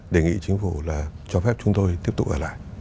đề nghị chính phủ là cho phép chúng tôi tiếp tục ở lại